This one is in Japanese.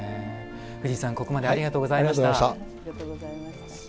藤井さん、ここまでありがとうございました。